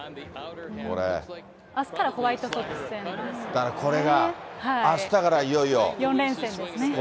だから、これが、あしたから４連戦ですね。